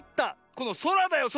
このそらだよそら！